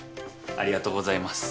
ありがとうございます。